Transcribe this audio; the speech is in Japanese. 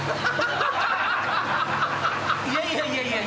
いやいやいやいや！